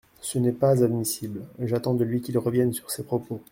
Ce n’est pas admissible ; j’attends de lui qu’il revienne sur ses propos.